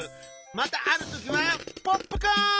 またあるときはポップコーン！